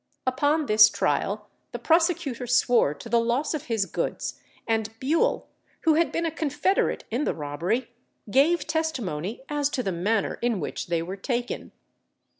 Upon this trial the prosecutor swore to the loss of his goods and Bewle, who had been a confederate in the robbery, gave testimony as to the manner in which they were taken.